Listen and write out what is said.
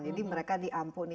jadi mereka diampuni